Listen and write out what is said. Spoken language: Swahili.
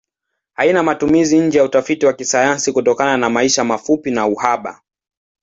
Haina matumizi nje ya utafiti wa kisayansi kutokana maisha mafupi na uhaba.